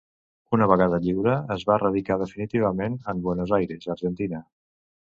Una vegada lliure es va radicar definitivament en Buenos Aires, Argentina.